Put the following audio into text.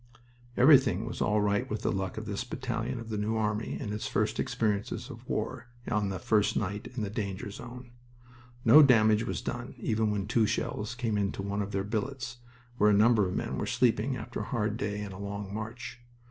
Everything was all right with the luck of this battalion of the New Army in its first experience of war on the first night in the danger zone. No damage was done even when two shells came into one of their billets, where a number of men were sleeping after a hard day and a long march.